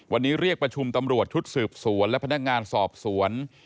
วันนี้เรียกประชุมตำรวจชุดสืบสวนและพนักงานสอบสวน